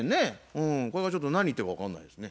うんこれはちょっと何言ってるか分かんないですね。